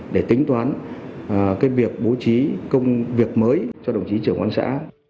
để tính toán cái việc bố trí công việc mới cho đồng chí trưởng quân xã